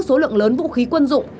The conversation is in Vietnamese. số lượng lớn vũ khí quân dụng